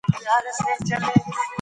اضطراب اختلالات زیات او دوامداره وي.